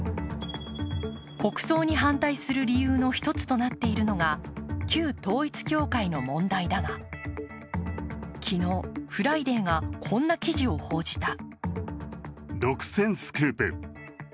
国葬に反対する理由の１つとなっているのが旧統一教会の問題だが昨日「フライデー」がこんな記事を報じた。